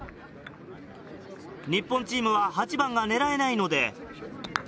日本チームは８番が狙えないので。